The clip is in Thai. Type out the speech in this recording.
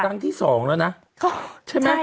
ครั้งที่๒แล้วนะใช่ไหม